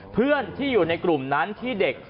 เพื่อนที่อยู่ในกลุ่มนั้นที่เด็ก